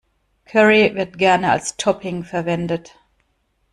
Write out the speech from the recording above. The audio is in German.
Curry wird gerne als Topping verwendet.